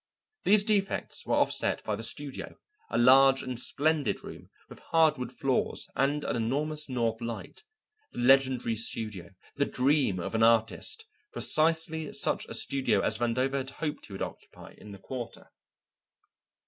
These defects were offset by the studio, a large and splendid room with hardwood floors and an enormous north light, the legendary studio, the dream of an artist, precisely such a studio as Vandover had hoped he would occupy in the Quarter.